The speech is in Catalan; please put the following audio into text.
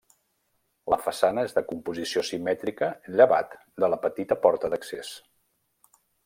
La façana és de composició simètrica llevat de la petita porta d'accés.